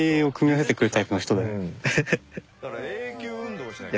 だから永久運動しなきゃいけない。